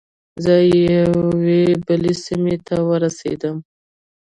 زه یوې بلې سیمې ته ورسیدم.